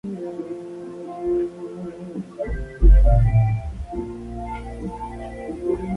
La tipografía se hace más estrecha.